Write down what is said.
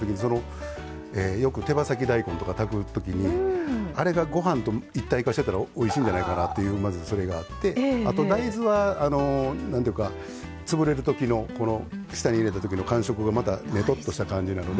よく手羽先大根とか炊くときにあれがご飯と一体化してたらおいしいんじゃないかなっていうのがあってあと大豆は潰れるときの舌に入れたときの感触がまた、ねとっとした感じなので。